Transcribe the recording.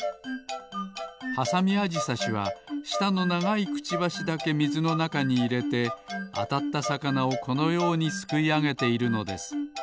ハサミアジサシはしたのながいクチバシだけみずのなかにいれてあたったさかなをこのようにすくいあげているのです。